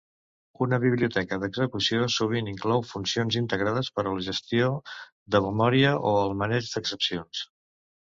Una biblioteca d'execució sovint inclou funcions integrades per a la gestió de memòria o el maneig d'excepcions.